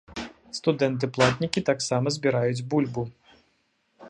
Студэнты-платнікі таксама збіраюць бульбу!